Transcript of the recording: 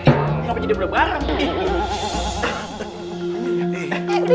kenapa jadi berbareng